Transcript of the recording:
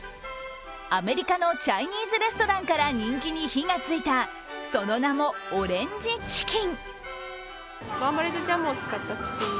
アメリカのチャイニーズレストランから人気に火がついたその名も、オレンジチキン。